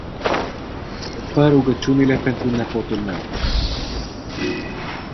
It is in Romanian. Fa rugaciunile pt nepotul meu.